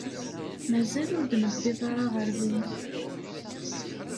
Mazal ur d-newwiḍ ara ɣer din.